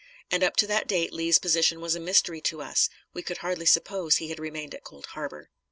And up to that date Lee's position was a mystery to us; we could hardly suppose he had remained at Cold Harbor.